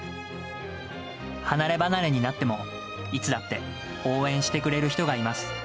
離れ離れになっても、いつだって応援してくれる人がいます。